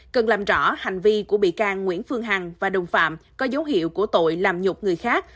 cần làm rõ hành vi của bị can nguyễn phương hằng và đồng phạm có dấu hiệu của tội làm nhục người khác